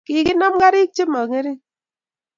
kokinam kariik chemong'ering'.